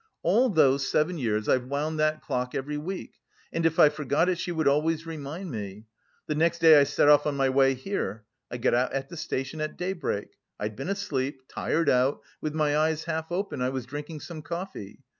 All those seven years I've wound that clock every week, and if I forgot it she would always remind me. The next day I set off on my way here. I got out at the station at daybreak; I'd been asleep, tired out, with my eyes half open, I was drinking some coffee.